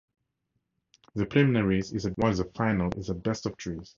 The preliminaries is a direct knockout while the final is a best of three.